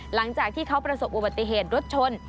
หลังจากที่เขาประสบอุบัติเหตุรถชน